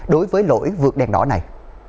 đối với lỗi vượt đèn đỏ này